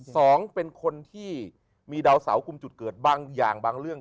สองคนที่มีดาวเสากลุ่มจุดเกิดบางอย่างบางเรื่อง